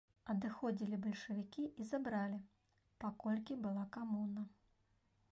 Адыходзілі бальшавікі і забралі, паколькі была камуна.